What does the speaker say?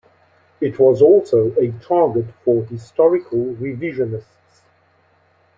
It was also a target for historical revisionists.